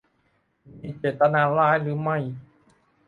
มีเจตนาร้ายหรือไม่